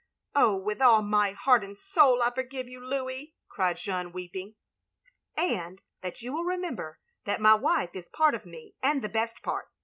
*'" Oh, with all my heart and soul I forgive you, Louis," cried Jeanne, weeping. ''And that you will remember that my wife is part of me and the best part.